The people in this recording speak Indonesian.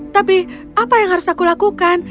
tapi apa yang harus aku lakukan